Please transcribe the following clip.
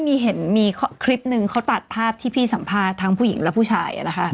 มีเห็นมีคลิปนึงเขาตัดภาพที่พี่สัมภาษณ์ทั้งผู้หญิงและผู้ชายนะคะ